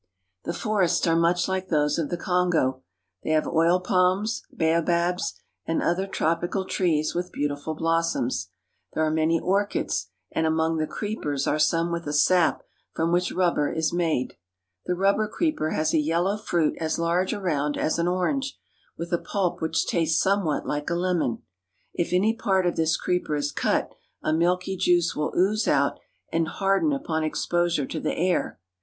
The forests are much like those of the Kongo. They have oil palms, baobabs, and other tropical trees with beautiful blossoms. There are many orchids, and among the creepers are some with a sap from which rubber is made. The rubber creeper has a yellow fruit as large around as an orange, with a pulp which tastes somewhat like a lemon. If any part of this creeper is cut, a milky juice will ooze out and harden upon exposure to the air.